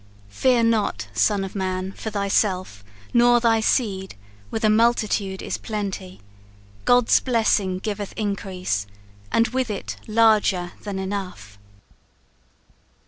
Fear not, son of man, for thyself, nor thy seed with a multitude is plenty: God's blessing giveth increase, and with it larger than enough."